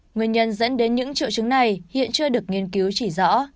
nguyên nhân dẫn đến những triệu chứng này hiện chưa được nghiên cứu chỉ rõ